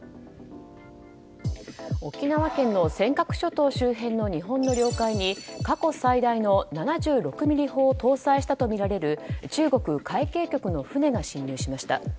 沖縄県の尖閣諸島周辺の日本の領海に過去最大の７６ｍｍ砲を搭載したとみられる中国海警局の船が侵入しました。